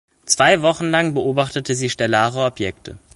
Zwei Wochen lang beobachtete sie stellare Objekte.